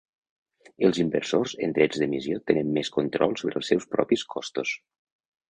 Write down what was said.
Els inversors en drets d'emissió tenen més control sobre els seus propis costos.